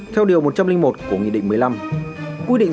theo điều một trăm linh một của nghị định một mươi năm